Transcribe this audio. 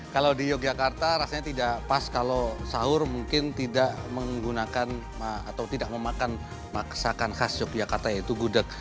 kalau di yogyakarta rasanya tidak pas kalau sahur mungkin tidak menggunakan atau tidak memakan masakan khas yogyakarta yaitu gudeg